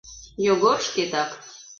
Йогор шкетак.